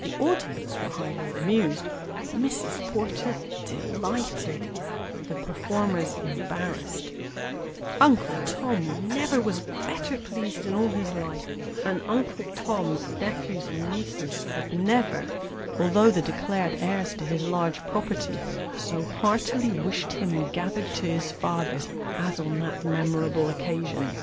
The audience were highly amused, Mrs. Porter delighted, the performers embarrassed ; Uncle Tom never was better pleased in all his life ; and Uncle Tom's nephews and nieces had never, although the declared heirs to his large property, so heartily wished him gathered to his fathers as on that memorable occasion.